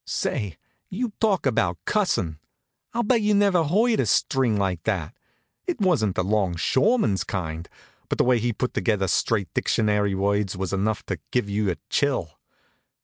Say, you talk about a cussin', I'll bet you never heard a string like that. It wasn't the longshoreman's kind. But the way he put together straight dictionary words was enough to give you a chill.